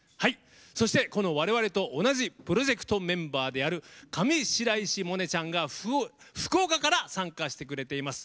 そして、われわれと同じプロジェクトメンバーである上白石萌音ちゃんが福岡から参加してくれています。